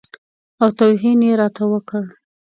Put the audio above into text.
او توهین یې راته وکړ.